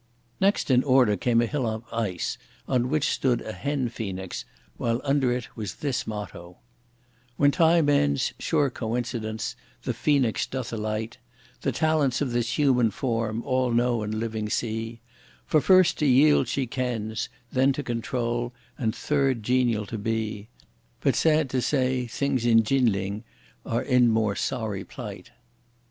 Next in order came a hill of ice, on which stood a hen phoenix, while under it was this motto: When time ends, sure coincidence, the phoenix doth alight; The talents of this human form all know and living see, For first to yield she kens, then to control, and third genial to be; But sad to say, things in Chin Ling are in more sorry plight.